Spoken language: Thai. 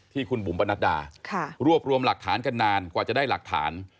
ที่คุณบุ๋มปนัดดารวบรวมหลักฐานกันนานกว่าจะได้หลักฐาน